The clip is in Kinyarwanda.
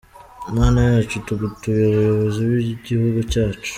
Mana yacu tugutuye abayobozi b’igihugu cyacu.